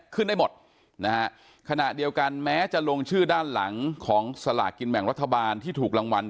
ขึ้นได้หมดนะฮะขณะเดียวกันแม้จะลงชื่อด้านหลังของสลากกินแบ่งรัฐบาลที่ถูกรางวัล